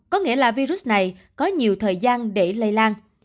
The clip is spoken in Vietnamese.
có nghĩa là virus này có nhiều thời gian để lây lan